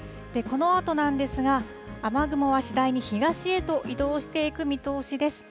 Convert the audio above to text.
このあとなんですが、雨雲は次第に東へと移動していく見通しです。